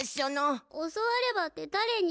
教わればってだれに？